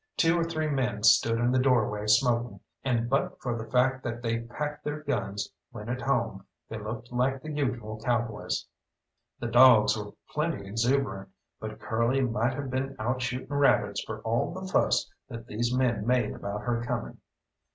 Two or three men stood in the doorway smoking, and but for the fact that they packed their guns when at home, they looked like the usual cowboys. The dogs were plenty exuberant, but Curly might have been out shooting rabbits for all the fuss that these men made about her coming.